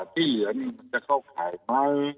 ที่เหลือนี่มันจะเข้าข่ายไหม